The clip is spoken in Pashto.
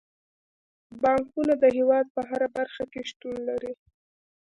بانکونه د هیواد په هره برخه کې شتون لري.